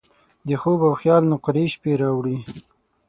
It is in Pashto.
د خوب او خیال نقرهيي شپې راوړي